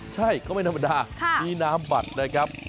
ใช่ก็ไม่ธรรมดามีน้ำบัตรนะครับ